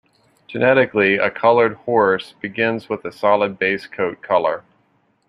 Genetically, a coloured horse begins with a solid base coat colour.